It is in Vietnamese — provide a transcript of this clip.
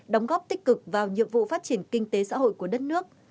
đóng góp tích cực vào nhiệm vụ phát triển kinh tế xã hội của đất nước